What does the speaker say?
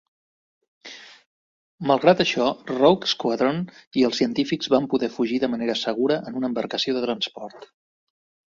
Malgrat això, Rogue Squadron i els científics van poder fugir de manera segura en una embarcació de transport.